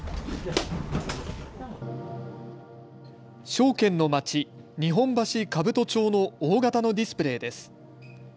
証券の街、日本橋兜町の大型のディスプレーです。